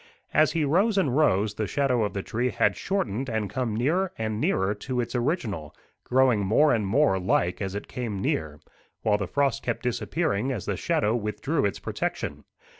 As he rose and rose, the shadow of the tree had shortened and come nearer and nearer to its original, growing more and more like as it came nearer, while the frost kept disappearing as the shadow withdrew its protection.